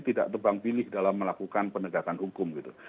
tidak tebang pilih dalam melakukan penegakan hukum gitu